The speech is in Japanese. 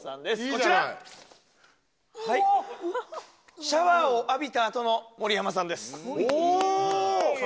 こちらシャワーを浴びたあとの盛山さんですおお！